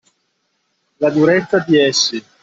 La durezza di essi